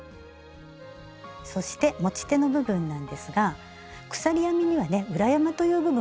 そして持ち手の部分なんですが鎖編みにはね「裏山」という部分があります。